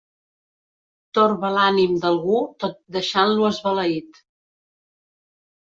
Torba l'ànim d'algú tot deixant-lo esbalaït.